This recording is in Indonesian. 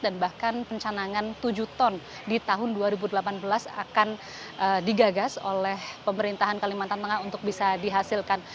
dan bahkan pencanangan tujuh ton di tahun dua ribu delapan belas akan digagas oleh pemerintahan kalimantan tengah untuk bisa dihasilkan